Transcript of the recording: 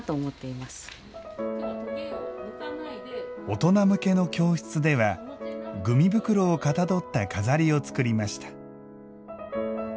大人向けの教室では茱萸袋をかたどった飾りを作りました。